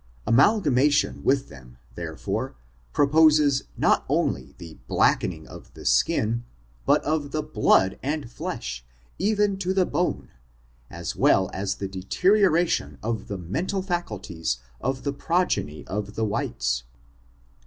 Amalgamation with them, therefore, proposes not only the blackening of the skin, but of the blood and flesh, even to the bone, as well as the deterioration of the mental faculties of the progeny of the whites.